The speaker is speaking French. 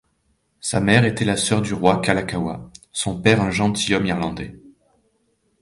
Sa mère était la sœur du roi Kalakaua, son père un gentilhomme irlandais.